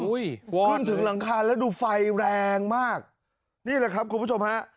ขึ้นถึงหลังคาแล้วดูไฟแรงมากนี่แหละครับคุณผู้ชมฮะ